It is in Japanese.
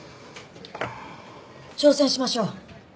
挑戦しましょう！